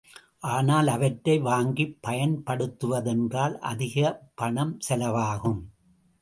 ஆனால் அவற்றை வாங்கிப் பயன்படுத்துவதென்றால் அதிகப் பணம் செலவாகும்.